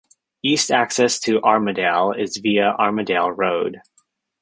East Access to Armadale is via Armadale Road.